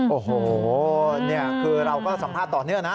โอ้โหนี่คือเราก็สัมภาษณ์ต่อเนื่องนะ